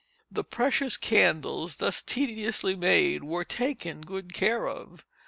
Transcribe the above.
The precious candles thus tediously made were taken good care of.